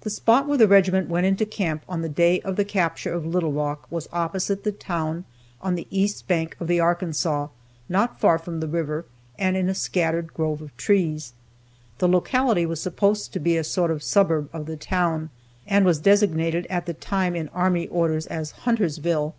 The spot where the regiment went into camp on the day of the capture of Little Rock was opposite the town, on the east bank of the Arkansas, not far from the river, and in a scattered grove of trees. The locality was supposed to be a sort of suburb of the town, and was designated at the time in army orders as "Huntersville."